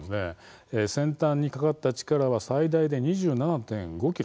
先端にかかった力は最大で２７．５ｋｇ。